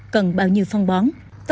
cần bao nhiêu phân bón